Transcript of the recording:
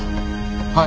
はい。